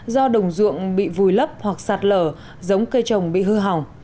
do đồng ruộng bị vùi lấp hoặc sạt lở giống cây trồng bị hư hỏng